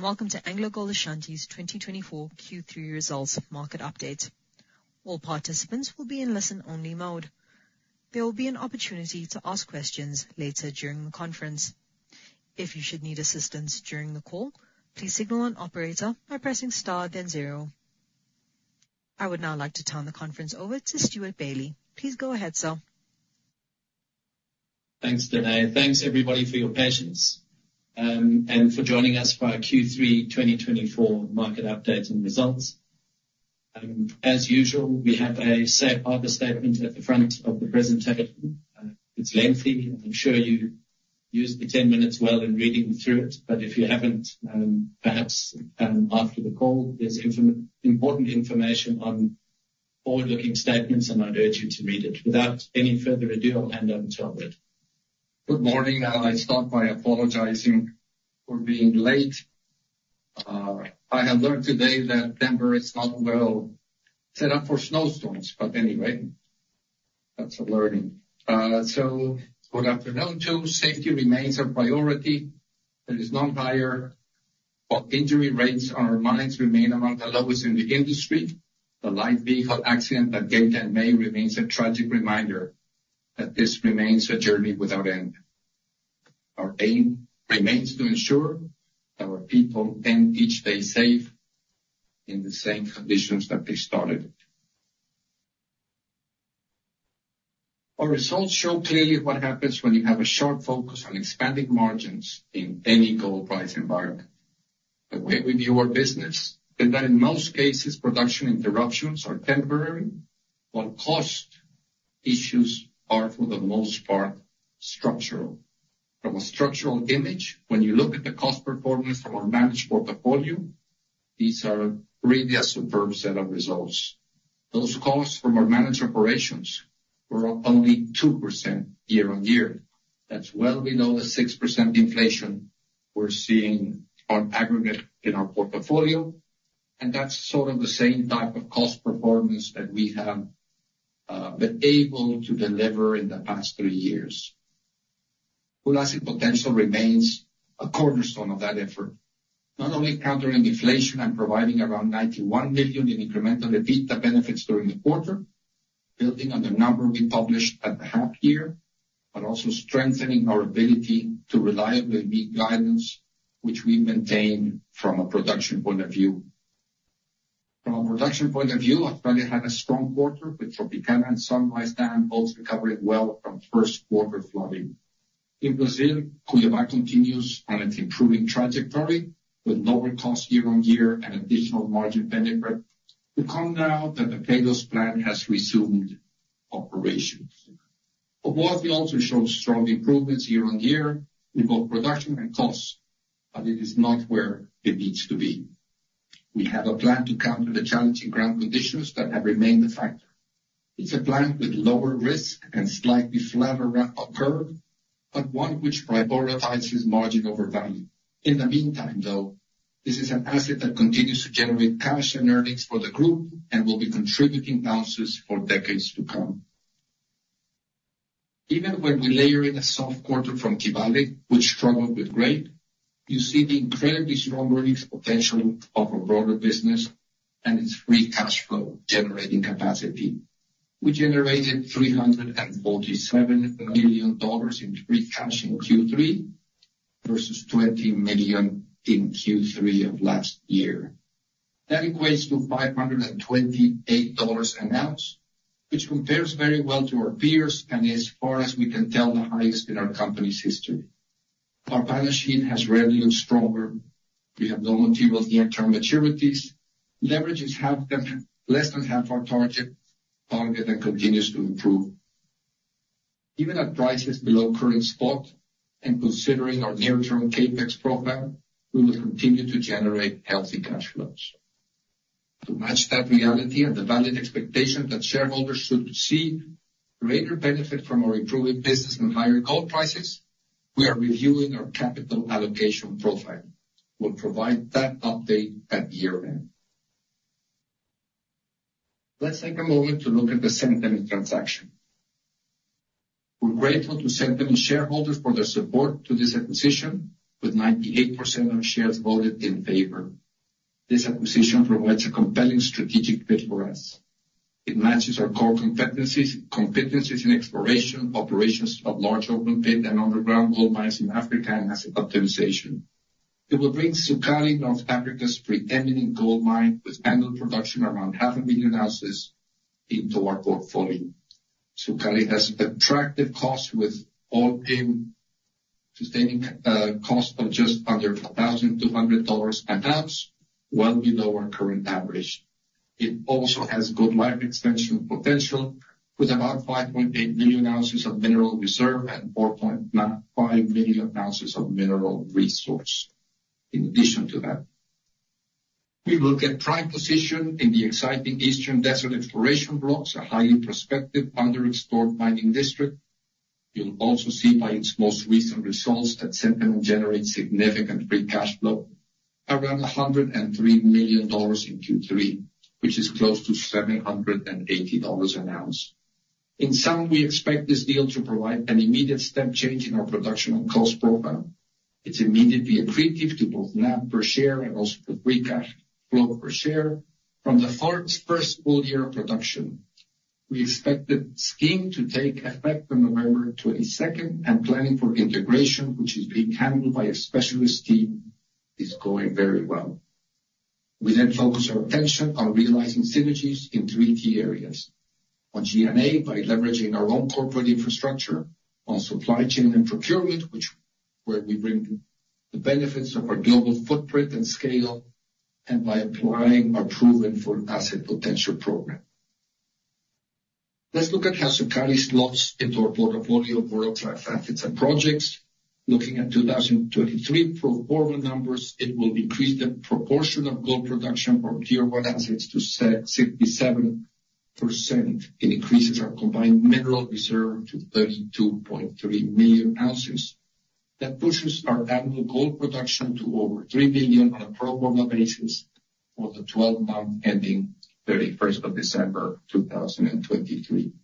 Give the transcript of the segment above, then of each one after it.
Welcome to AngloGold Ashanti's 2024 Q3 Results Market Update. All participants will be in listen-only mode. There will be an opportunity to ask questions later during the conference. If you should need assistance during the call, please signal an operator by pressing star then zero. I would now like to turn the conference over to Stewart Bailey. Please go ahead, sir. Thanks, Danay. Thanks, everybody, for your patience and for joining us for our Q3 2024 Market Updates and Results. As usual, we have a safe harbor statement at the front of the presentation. It's lengthy, and I'm sure you used the 10 minutes well in reading through it. But if you haven't, perhaps after the call, there's important information on forward-looking statements, and I'd urge you to read it. Without any further ado, I'll hand over to Alberto. Good morning. I start by apologizing for being late. I have learned today that Denver is not well set up for snowstorms, but anyway, that's a learning. So good afternoon too. Safety remains a priority. There is no higher injury rates, and our mines remain among the lowest in the industry. The light vehicle accident that claimed them in May remains a tragic reminder that this remains a journey without end. Our aim remains to ensure that our people end each day safe in the same conditions that they started. Our results show clearly what happens when you have a sharp focus on expanding margins in any gold price environment. The way we view our business is that in most cases, production interruptions are temporary, while cost issues are, for the most part, structural. From a structural image, when you look at the cost performance from our managed portfolio, these are really a superb set of results. Those costs from our managed operations were up only 2% year-on-year. That's well below the 6% inflation we're seeing on aggregate in our portfolio. That's sort of the same type of cost performance that we have been able to deliver in the past three years. Full Asset Potential remains a cornerstone of that effort, not only countering inflation and providing around $91 million in incremental EBITDA benefits during the quarter, building on the number we published at the half-year, but also strengthening our ability to reliably meet guidance, which we maintain from a production point of view. From a production point of view, Australia had a strong quarter with Tropicana and Sunrise Dam both recovering well from first-quarter flooding. In Brazil, Cuiabá continues on its improving trajectory with lower cost year-on-year and additional margin benefit to come now that the Queiroz plant has resumed operations. Obuasi, we also showed strong improvements year-on-year in both production and cost, but it is not where it needs to be. We have a plan to counter the challenging ground conditions that have remained the factor. It's a plan with lower risk and slightly flatter run-up curve, but one which prioritizes margin over value. In the meantime, though, this is an asset that continues to generate cash and earnings for the group and will be contributing ounces for decades to come. Even when we layer in a soft quarter from Kibali, which struggled with grade, you see the incredibly strong earnings potential of our broader business and its free cash flow generating capacity. We generated $347 million in free cash in Q3 versus $20 million in Q3 of last year. That equates to $528 an ounce, which compares very well to our peers and is, as far as we can tell, the highest in our company's history. Our balance sheet has revenue stronger. We have no material near-term maturities. Leverage is half, less than half our target and continues to improve. Even at prices below current spot and considering our near-term CapEx profile, we will continue to generate healthy cash flows. To match that reality and the valid expectation that shareholders should see greater benefit from our improving business and higher gold prices, we are reviewing our capital allocation profile. We'll provide that update at year-end. Let's take a moment to look at the Centamin transaction. We're grateful to Centamin shareholders for their support to this acquisition with 98% of shares voted in favor. This acquisition provides a compelling strategic fit for us. It matches our core competencies in exploration, operations of large open pit and underground gold mines in Africa and asset optimisation. It will bring Sukari, North Africa's preeminent gold mine with annual production around 500,000 ounces, into our portfolio. Sukari has attractive costs with all in sustaining costs of just under $1,200 an ounce, well below our current average. It also has good life extension potential with about 5.8 million ounces of mineral reserve and 4.5 million ounces of mineral resource. In addition to that, we will get prime position in the exciting Eastern Desert Exploration Blocks, a highly prospective under-explored mining district. You'll also see by its most recent results that Centamin generates significant free cash flow, around $103 million in Q3, which is close to $780 an ounce. In sum, we expect this deal to provide an immediate step change in our production and cost profile. It's immediately accretive to both NAV per share and also for free cash flow per share from the first full year of production. We expect the scheme to take effect on November 22nd, and planning for integration, which is being handled by a specialist team, is going very well. We then focus our attention on realizing synergies in three key areas: on G&A by leveraging our own corporate infrastructure, on supply chain and procurement, where we bring the benefits of our global footprint and scale, and by applying our proven Full Asset Potential program. Let's look at how Sukari slots into our portfolio of world-class assets and projects. Looking at 2023 pro forma numbers, it will increase the proportion of gold production from Tier One assets to 67%. It increases our combined mineral reserve to 32.3 million ounces. That pushes our annual gold production to over 3 million on a pro forma basis for the 12-month ending 31st of December 2023.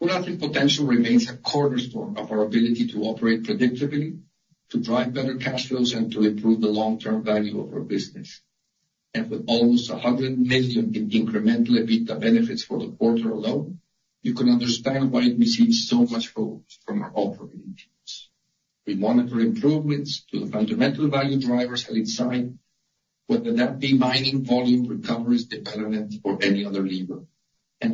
Full Asset Potential remains a cornerstone of our ability to operate predictably, to drive better cash flows, and to improve the long-term value of our business. And with almost $100 million in incremental EBITDA benefits for the quarter alone, you can understand why we see so much growth from our operating teams. We monitor improvements to the fundamental value drivers at each site, whether that be mining volume, recovery, development, or any other lever.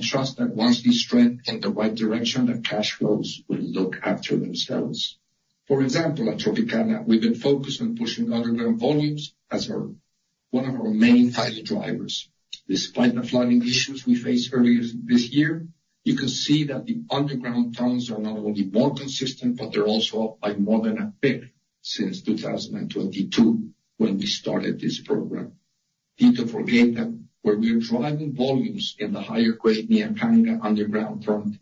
Trust that once we strengthen the right direction, the cash flows will look after themselves. For example, at Tropicana, we've been focused on pushing underground volumes as one of our main value drivers. Despite the flooding issues we faced earlier this year, you can see that the underground tons are not only more consistent, but they're also up by more than a fifth since 2022 when we started this program. Ditto for Geita, where we're driving volumes in the higher-grade Nyankanga underground front,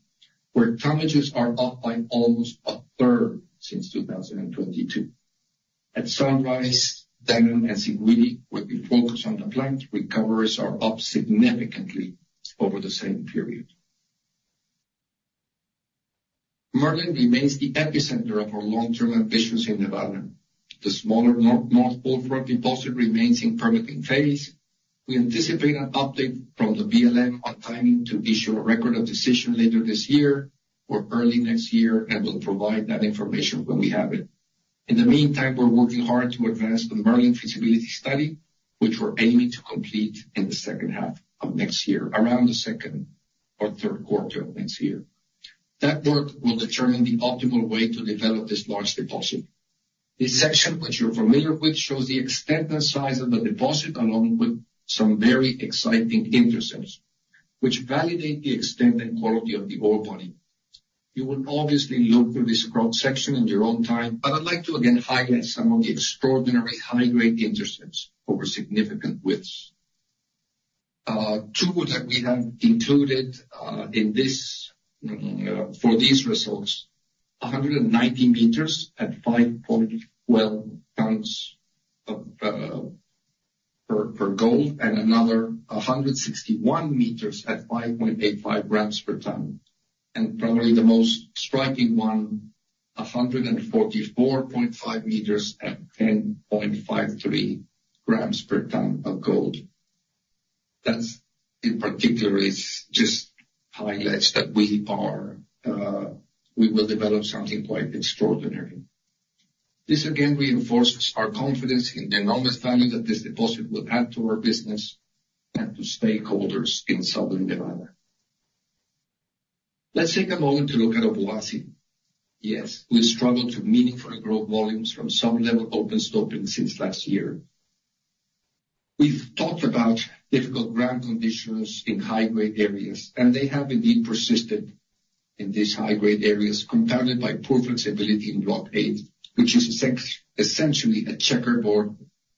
where tonnages are up by almost a third since 2022. At Sunrise Dam and Siguiri, where we focus on the plant, recoveries are up significantly over the same period. Merlin remains the epicenter of our long-term ambitions in Nevada. The smaller North Bullfrog deposit remains in permitting phase. We anticipate an update from the BLM on timing to issue a record of decision later this year or early next year and will provide that information when we have it. In the meantime, we're working hard to advance the Merlin feasibility study, which we're aiming to complete in the second half of next year, around the second or third quarter of next year. That work will determine the optimal way to develop this large deposit. This section, which you're familiar with, shows the extent and size of the deposit along with some very exciting intercepts, which validate the extent and quality of the ore body. You will obviously look through this cross-section in your own time, but I'd like to again highlight some of the extraordinary high-grade intercepts over significant widths. Two that we have included for these results: 190 meters at 5.12 grams per tonne gold, and another 161 meters at 5.85 grams per tonne. And probably the most striking one, 144.5 meters at 10.53 grams per tonne of gold. That in particular just highlights that we will develop something quite extraordinary. This again reinforces our confidence in the enormous value that this deposit will add to our business and to stakeholders in southern Nevada. Let's take a moment to look at Obuasi. Yes, we've struggled to meaningfully grow volumes from sub-level open stoping since last year. We've talked about difficult ground conditions in high-grade areas, and they have indeed persisted in these high-grade areas, compounded by poor flexibility in Block A, which is essentially a checkerboard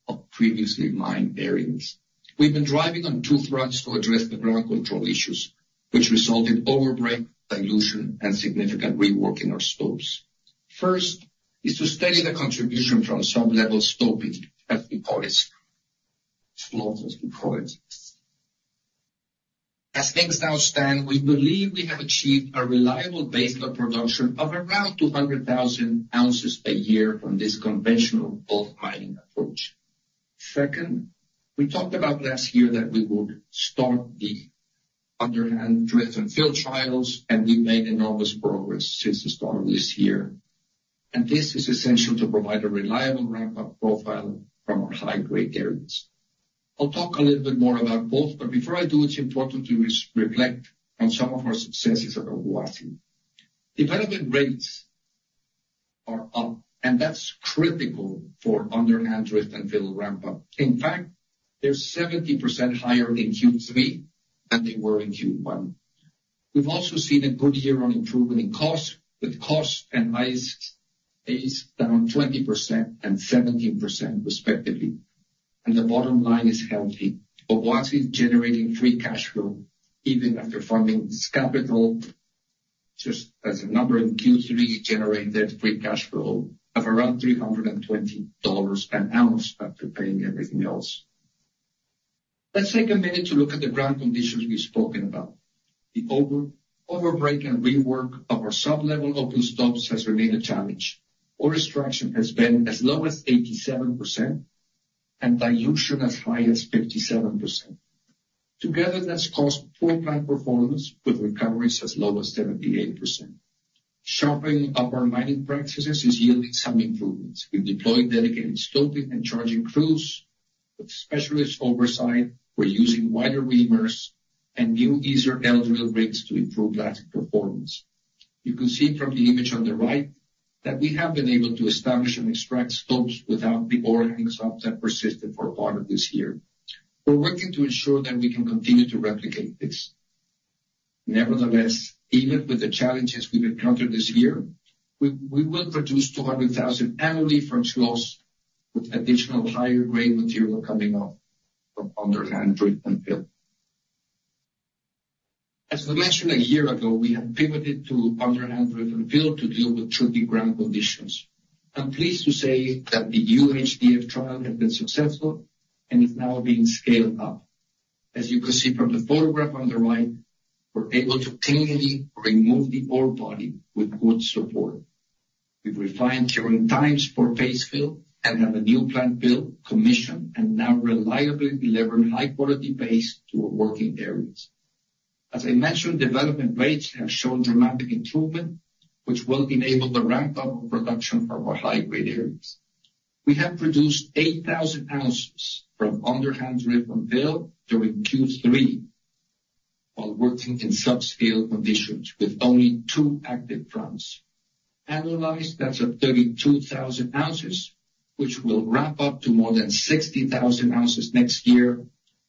of previously mined areas. We've been driving on two fronts to address the ground control issues, which resulted in overbreak, dilution, and significant rework in our stopes. First is to study the contribution from sub-level stoping, as we call it. As things now stand, we believe we have achieved a reliable baseline production of around 200,000 ounces a year from this conventional gold mining approach. Second, we talked about last year that we would start the underhand drift and fill trials, and we've made enormous progress since the start of this year, and this is essential to provide a reliable ramp-up profile from our high-grade areas. I'll talk a little bit more about both, but before I do, it's important to reflect on some of our successes at Obuasi. Development rates are up, and that's critical for underhand drift and fill ramp-up. In fact, they're 70% higher in Q3 than they were in Q1. We've also seen a good year-on-year improvement in cost, with cost and AISC down 20% and 17%, respectively. The bottom line is healthy. Obuasi is generating free cash flow even after funding its capital, just as a number in Q3 generated free cash flow of around $320 an ounce after paying everything else. Let's take a minute to look at the ground conditions we've spoken about. The overbreak and rework of our sub-level open stopes has remained a challenge. Ore extraction has been as low as 87% and dilution as high as 57%. Together, that's caused poor plant performance with recoveries as low as 78%. Sharpening up our mining practices is yielding some improvements. We've deployed dedicated stoping and charging crews with specialist oversight. We're using wider reamers and new Easer L drill rigs to improve blasting performance. You can see from the image on the right that we have been able to establish and extract stopes without the old hang-ups that persisted for part of this year. We're working to ensure that we can continue to replicate this. Nevertheless, even with the challenges we've encountered this year, we will produce 200,000 annually from stopes with additional higher-grade material coming up from underhand drift and fill. As we mentioned a year ago, we have pivoted to underhand drift and fill to deal with tricky ground conditions. I'm pleased to say that the UHDF trial has been successful and is now being scaled up. As you can see from the photograph on the right, we're able to cleanly remove the ore body with good support. We've reduced downtimes for paste fill and have a new plant built commissioned and now reliably delivering high-quality paste to our working areas. As I mentioned, development rates have shown dramatic improvement, which will enable the ramp-up of production from our high-grade areas. We have produced 8,000 ounces from underhand drift and fill during Q3 while working in subscale conditions with only two active fronts. Annualized, that's at 32,000 ounces, which will ramp up to more than 60,000 ounces next year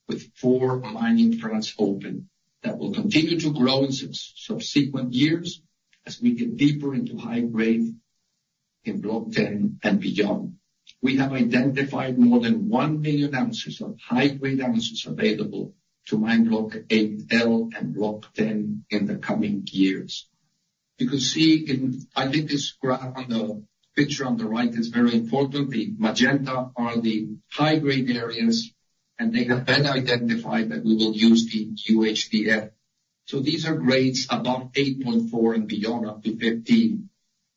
with four mining fronts open. That will continue to grow in subsequent years as we get deeper into high-grade in Block 10 and beyond. We have identified more than 1 million ounces of high-grade ounces available to mine Block 8L and Block 10 in the coming years. You can see in, I think this graph on the picture on the right is very important. The magenta are the high-grade areas, and they have been identified that we will use the UHDF, so these are grades above 8.4 and beyond up to 15,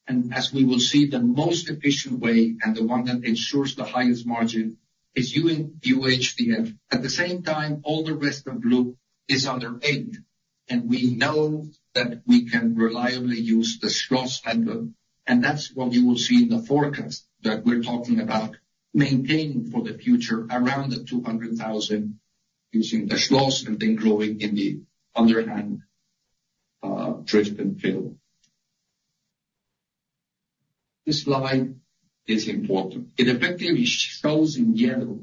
and as we will see, the most efficient way and the one that ensures the highest margin is using UHDF. At the same time, all the rest of blue is under 8, and we know that we can reliably use the SLOS method, and that's what you will see in the forecast that we're talking about maintaining for the future around the 200,000 using the SLOS and then growing in the underhand drift and fill. This slide is important. It effectively shows in yellow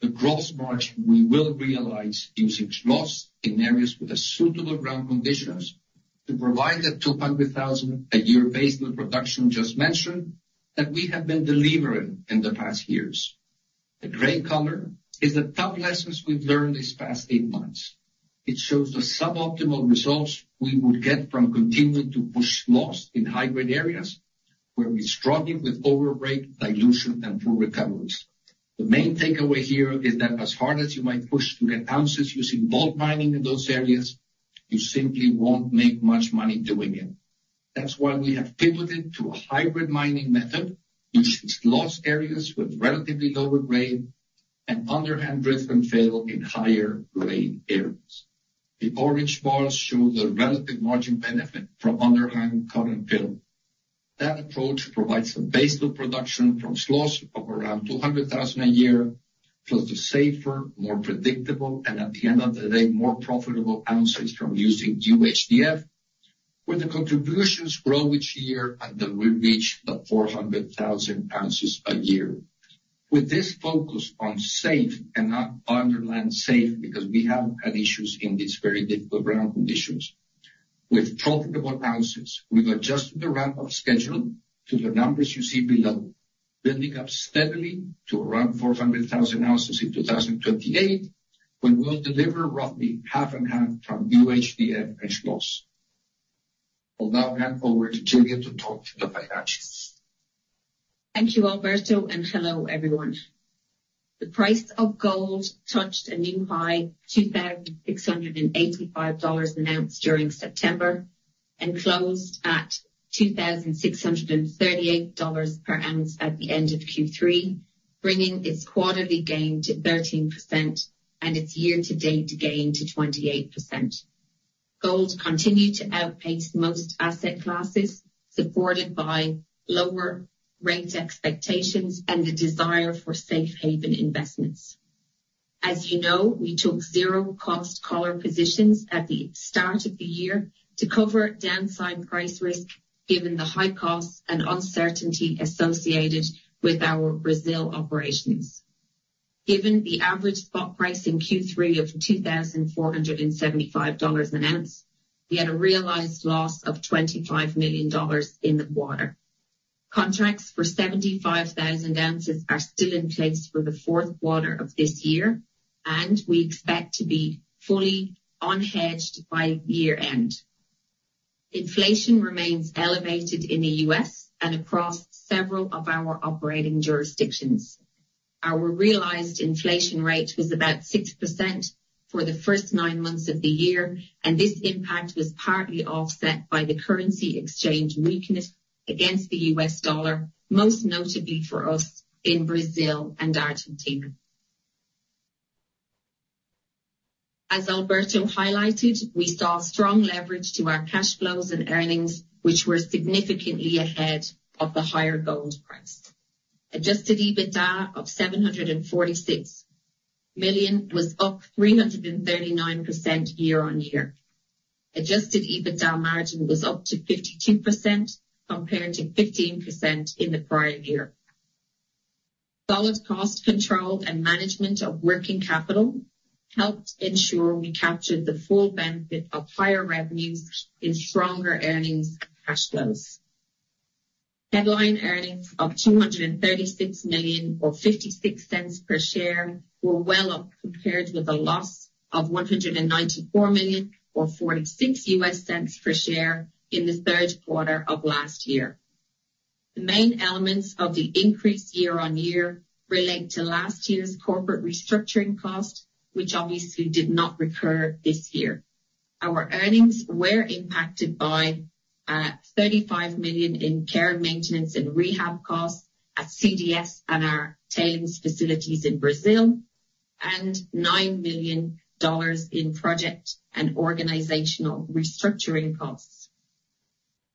the gross margin we will realize using SLOS in areas with suitable ground conditions to provide the 200,000 a year baseline production just mentioned that we have been delivering in the past years. The gray color is the tough lessons we've learned this past eight months. It shows the suboptimal results we would get from continuing to push SLOS in high-grade areas where we struggle with overbreak, dilution, and poor recoveries. The main takeaway here is that as hard as you might push to get ounces using gold mining in those areas, you simply won't make much money doing it. That's why we have pivoted to a hybrid mining method, which is SLOS areas with relatively lower grade and underhand drift and fill in higher grade areas. The orange bars show the relative margin benefit from underhand cut and fill. That approach provides a baseline production from SLOS of around 200,000 a year, plus the safer, more predictable, and at the end of the day, more profitable ounces from using UHDF, where the contributions grow each year until we reach the 400,000 ounces a year. With this focus on safe and not only safe, because we have had issues in these very difficult ground conditions, with profitable ounces, we've adjusted the ramp-up schedule to the numbers you see below, building up steadily to around 400,000 ounces in 2028, when we'll deliver roughly half and half from UHDF and SLOS. I'll now hand over to Gillian to talk to the financials. Thank you, Alberto, and hello, everyone. The price of gold touched a new high, $2,685 an ounce during September, and closed at $2,638 per ounce at the end of Q3, bringing its quarterly gain to 13% and its year-to-date gain to 28%. Gold continued to outpace most asset classes, supported by lower rate expectations and the desire for safe haven investments. As you know, we took zero-cost collar positions at the start of the year to cover downside price risk given the high costs and uncertainty associated with our Brazil operations. Given the average spot price in Q3 of $2,475 an ounce, we had a realized loss of $25 million in the quarter. Contracts for 75,000 ounces are still in place for the fourth quarter of this year, and we expect to be fully unhedged by year-end. Inflation remains elevated in the U.S. and across several of our operating jurisdictions. Our realized inflation rate was about 6% for the first nine months of the year, and this impact was partly offset by the currency exchange weakness against the U.S. dollar, most notably for us in Brazil and Argentina. As Alberto highlighted, we saw strong leverage to our cash flows and earnings, which were significantly ahead of the higher gold price. Adjusted EBITDA of $746 million was up 339% year-on-year. Adjusted EBITDA margin was up to 52% compared to 15% in the prior year. Solid cost control and management of working capital helped ensure we captured the full benefit of higher revenues in stronger earnings and cash flows. Headline earnings of $236 million or $0.56 per share were well up compared with a loss of $194 million or $0.46 per share in the third quarter of last year. The main elements of the increase year-on-year relate to last year's corporate restructuring cost, which obviously did not recur this year. Our earnings were impacted by $35 million in care, maintenance, and rehab costs at CDS and our tailings facilities in Brazil, and $9 million in project and organizational restructuring costs.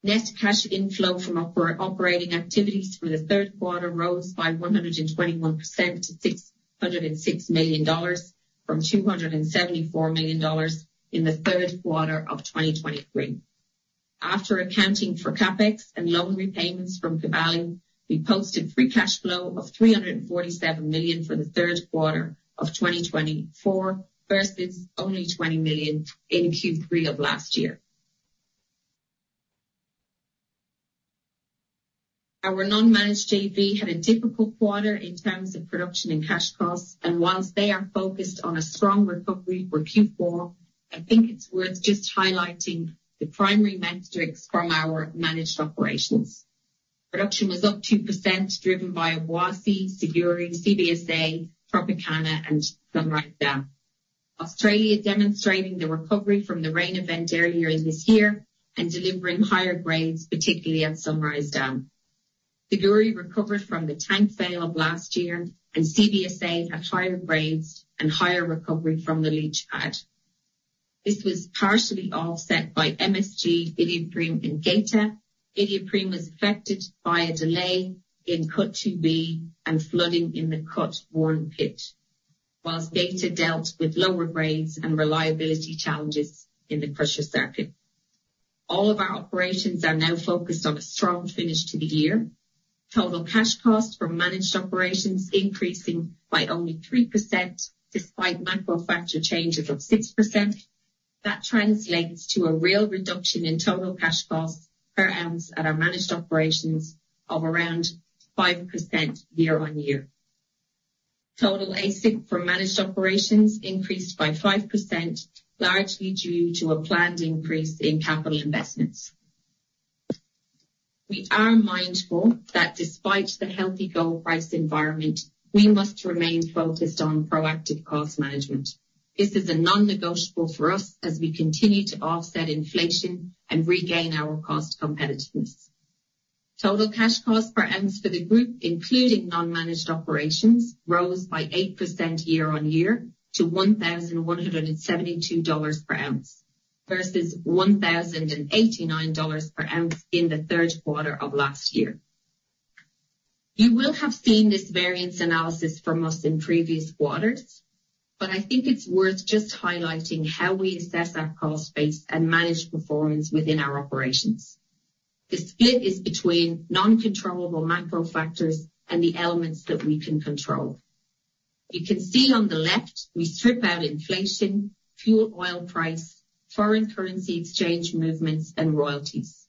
Net cash inflow from operating activities for the third quarter rose by 121% to $606 million from $274 million in the third quarter of 2023. After accounting for CapEx and loan repayments from Kibali, we posted free cash flow of $347 million for the third quarter of 2024 versus only $20 million in Q3 of last year. Our non-managed JV had a difficult quarter in terms of production and cash costs, and while they are focused on a strong recovery for Q4, I think it's worth just highlighting the primary metrics from our managed operations. Production was up 2%, driven by Obuasi, Siguiri, Cuiabá, Tropicana, and Sunrise Dam. Australia demonstrating the recovery from the rain event earlier this year and delivering higher grades, particularly at Sunrise Dam. Siguiri recovered from the tank fail of last year, and Cuiabá had higher grades and higher recovery from the leach pad. This was partially offset by MSG, Iduapriem, and Geita. Iduapriem was affected by a delay in cut 2B and flooding in the cut 1 pit, while Geita dealt with lower grades and reliability challenges in the pressure circuit. All of our operations are now focused on a strong finish to the year. Total cash cost for managed operations increasing by only 3% despite macro factor changes of 6%. That translates to a real reduction in total cash costs per ounce at our managed operations of around 5% year-on-year. Total AISC for managed operations increased by 5%, largely due to a planned increase in capital investments. We are mindful that despite the healthy gold price environment, we must remain focused on proactive cost management. This is a non-negotiable for us as we continue to offset inflation and regain our cost competitiveness. Total cash cost per ounce for the group, including non-managed operations, rose by 8% year-on-year to $1,172 per ounce versus $1,089 per ounce in the third quarter of last year. You will have seen this variance analysis from us in previous quarters, but I think it's worth just highlighting how we assess our cost base and manage performance within our operations. The split is between non-controllable macro factors and the elements that we can control. You can see on the left, we strip out inflation, fuel oil price, foreign currency exchange movements, and royalties.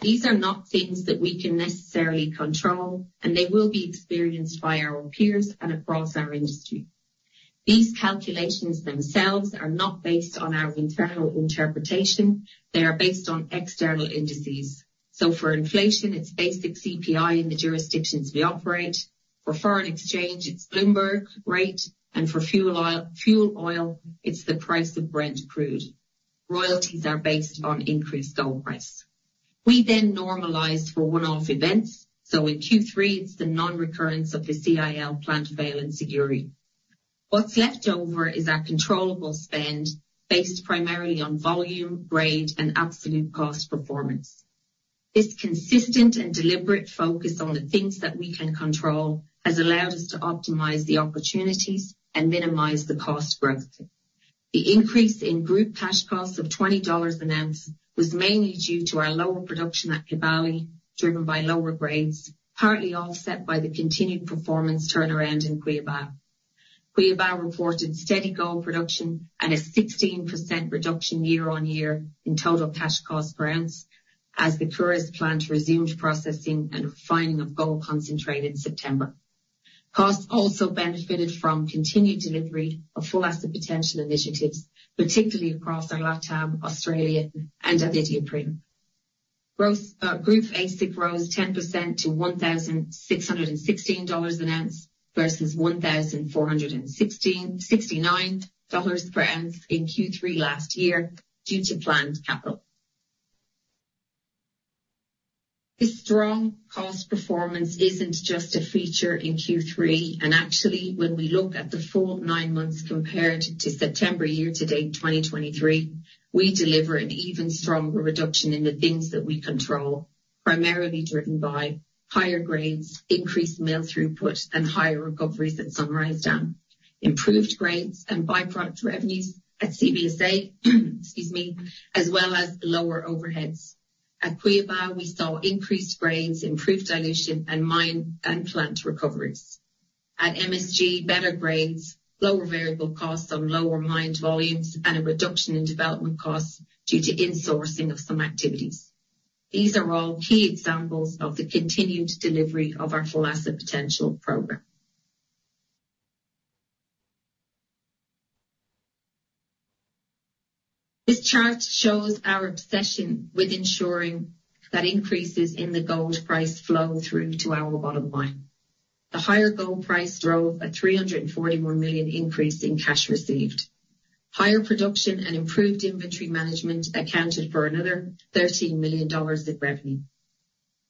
These are not things that we can necessarily control, and they will be experienced by our peers and across our industry. These calculations themselves are not based on our internal interpretation. They are based on external indices. So for inflation, it's basic CPI in the jurisdictions we operate. For foreign exchange, it's Bloomberg rate, and for fuel oil, it's the price of Brent crude. Royalties are based on increased gold price. We then normalized for one-off events. So in Q3, it's the non-recurrence of the CIL, Plant Fail, and Siguiri. What's left over is our controllable spend based primarily on volume, grade, and absolute cost performance. This consistent and deliberate focus on the things that we can control has allowed us to optimize the opportunities and minimize the cost growth. The increase in group cash costs of $20 an ounce was mainly due to our lower production at Kibali, driven by lower grades, partly offset by the continued performance turnaround in Cuiabá. Cuiabá reported steady gold production and a 16% reduction year-on-year in total cash cost per ounce as the Queiroz Plant resumed processing and refining of gold concentrate in September. Costs also benefited from continued delivery of Full Asset Potential initiatives, particularly across our LATAM, Australia, and at Iduapriem. Group AISC rose 10% to $1,616 an ounce versus $1,469 per ounce in Q3 last year due to planned capital. This strong cost performance isn't just a feature in Q3, and actually, when we look at the full nine months compared to September year-to-date 2023, we deliver an even stronger reduction in the things that we control, primarily driven by higher grades, increased mill throughput, and higher recoveries at Sunrise Dam. Improved grades and byproduct revenues at CVSA, excuse me, as well as lower overheads. At Cuiabá, we saw increased grades, improved dilution, and mine and plant recoveries. At MSG, better grades, lower variable costs on lower mine volumes, and a reduction in development costs due to insourcing of some activities. These are all key examples of the continued delivery of our Full Asset Potential program. This chart shows our obsession with ensuring that increases in the gold price flow through to our bottom line. The higher gold price drove a $341 million increase in cash received. Higher production and improved inventory management accounted for another $13 million in revenue.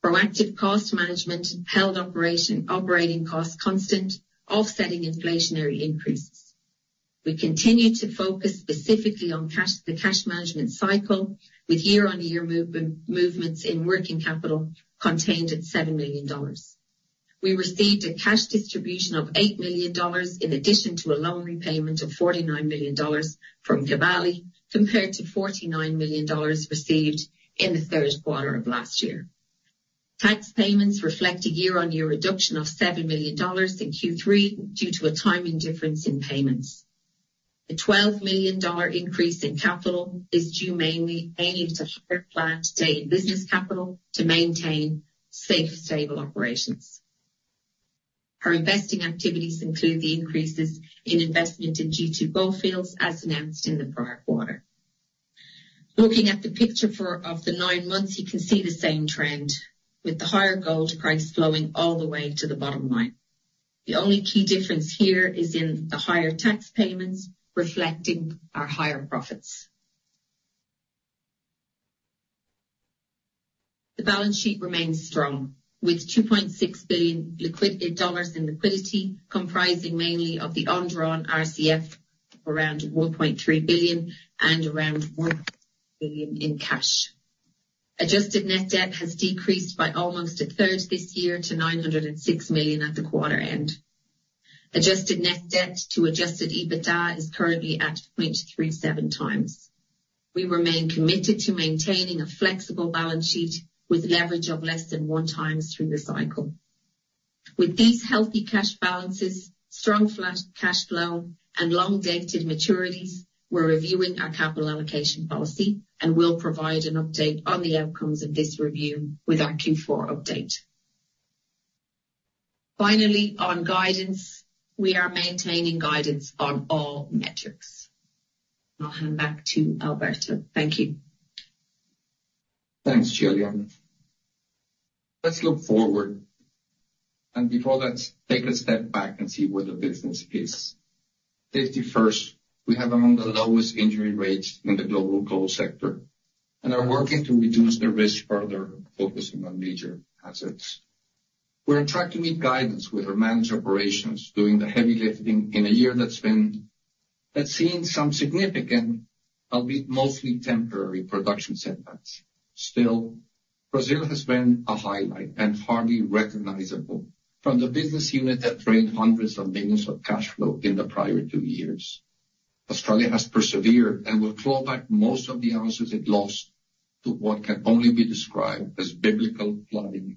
Proactive cost management held operating costs constant, offsetting inflationary increases. We continue to focus specifically on the cash management cycle, with year-on-year movements in working capital contained at $7 million. We received a cash distribution of $8 million in addition to a loan repayment of $49 million from Kibali, compared to $49 million received in the third quarter of last year. Tax payments reflect a year-on-year reduction of $7 million in Q3 due to a timing difference in payments. The $12 million increase in capital is due mainly to higher planned stay-in-business capital to maintain safe, stable operations. Our investing activities include the increases in investment in G2 Goldfields, as announced in the prior quarter. Looking at the picture of the nine months, you can see the same trend, with the higher gold price flowing all the way to the bottom line. The only key difference here is in the higher tax payments reflecting our higher profits. The balance sheet remains strong, with $2.6 billion in liquidity, comprising mainly of the undrawn RCF, around $1.3 billion, and around $1 billion in cash. Adjusted Net Debt has decreased by almost a third this year to $906 million at the quarter end. Adjusted Net Debt to Adjusted EBITDA is currently at 0.37 times. We remain committed to maintaining a flexible balance sheet with leverage of less than one time through the cycle. With these healthy cash balances, strong free cash flow, and long-dated maturities, we're reviewing our capital allocation policy and will provide an update on the outcomes of this review with our Q4 update. Finally, on guidance, we are maintaining guidance on all metrics. I'll hand back to Alberto. Thank you. Thanks, Gillian. Let's look forward and before that, take a step back and see where the business is. Safety first. We have among the lowest injury rates in the global gold sector and are working to reduce the risk further, focusing on major assets. We're attracting guidance with our managed operations, doing the heavy lifting in a year that's been, that's seen some significant, albeit mostly temporary, production setbacks. Still, Brazil has been a highlight and hardly recognizable from the business unit that drained hundreds of millions of cash flow in the prior two years. Australia has persevered and will claw back most of the ounces it lost to what can only be described as biblical flooding.